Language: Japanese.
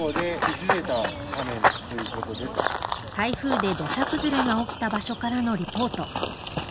台風で土砂崩れが起きた場所からのリポート。